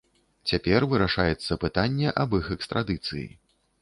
Цяпер вырашаецца пытанне аб іх экстрадыцыі.